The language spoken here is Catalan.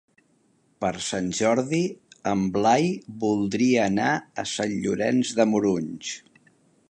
Per Sant Jordi en Blai voldria anar a Sant Llorenç de Morunys.